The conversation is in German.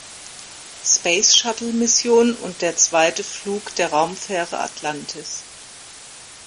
Space-Shuttle-Mission und der zweite Flug der Raumfähre Atlantis.